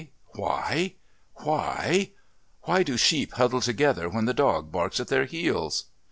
Why do sheep huddle together when the dog barks at their heels?...